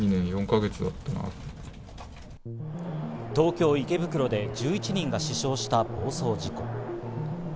東京・池袋で１１人が死傷した暴走事故。